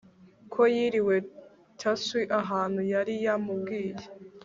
ko yiriwe tissue ahantu yari yamubwiye